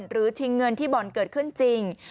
ชิงเงินที่บ่อนเกิดขึ้นจริง